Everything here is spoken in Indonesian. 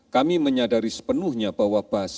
kami menyadari sepenuhnya bahwa basis dari perubahan ini